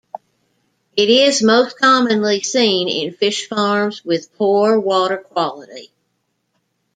It is most commonly seen in fish farms with poor water quality.